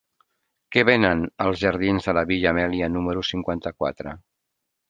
Què venen als jardins de la Vil·la Amèlia número cinquanta-quatre?